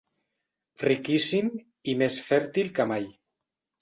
Riquíssim i més fèrtil que mai.